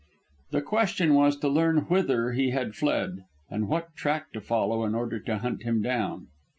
The question was to learn whither he had fled and what track to follow in order to hunt him down.